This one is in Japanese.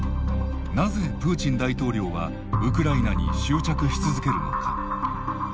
なぜプーチン大統領はウクライナに執着し続けるのか。